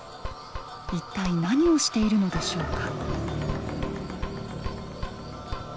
一体何をしているのでしょうか。